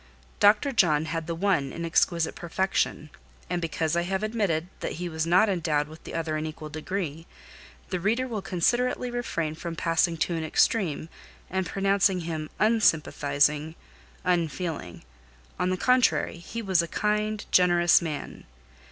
Dr. John had the one in exquisite perfection; and because I have admitted that he was not endowed with the other in equal degree, the reader will considerately refrain from passing to an extreme, and pronouncing him _un_sympathizing, unfeeling: on the contrary, he was a kind, generous man.